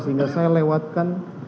sehingga saya lewatkan